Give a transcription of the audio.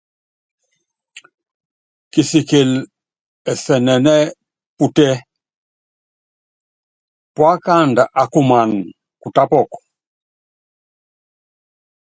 Kisikili ɛsɛnɛnɛ́ putɛ́, púákandu akumana kutek.